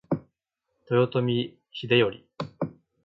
豊臣秀頼